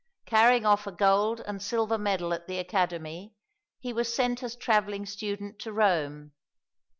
Carrying off a gold and silver medal at the Academy, he was sent as travelling student to Rome.